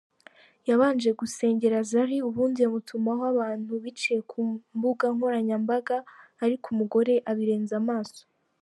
Yabanje gusengera Zari ubundi amutumaho abantu biciye ku mbuga nkoranyambaga ariko umugore abirenza amaso.